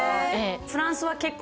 フランスは。